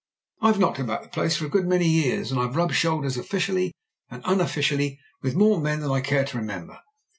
I have knocked about the place for a good many years, and I have rubbed shoulders, officially and unofficially, with more men than I care to remember.